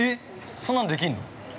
そんなんできんの？